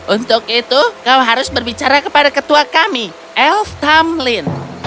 untuk itu kau harus berbicara kepada ketua kami elf tamlin